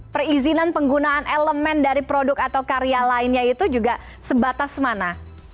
perizinan penggunaan elemen dari produk atau karya lainnya itu juga sebatas mana